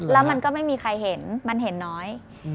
แล้วมันก็ไม่มีใครเห็นมันเห็นน้อย